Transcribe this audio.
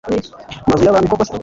mazu y abami Koko se